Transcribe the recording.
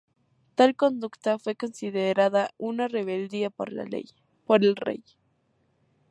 Tal conducta fue considerada una rebeldía por el rey.